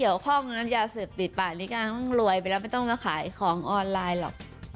กี่อย่าเสริญปริป่าหลีกบ้างต้องรวยแล้วไม่ต้องมาขายของออนไลน์หรอก